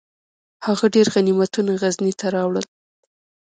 هغه ډیر غنیمتونه غزني ته راوړل.